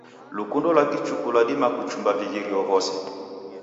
Lukundo lwa kichuku lwadima kuchumba vighirio vose.